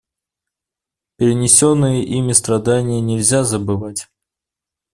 Перенесенные ими страдания нельзя забывать.